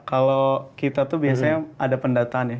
kalau kita tuh biasanya ada pendataan ya